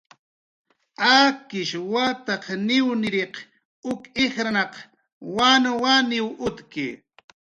Akish wataq niwniriq uk ijrnaq wanwaniw utki